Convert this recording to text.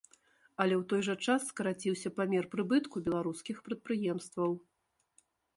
Але ў той жа час скараціўся памер прыбытку беларускіх прадпрыемстваў.